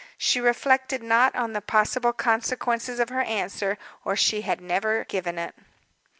She reflected not on the possible consequences of her answer, or she had never given it.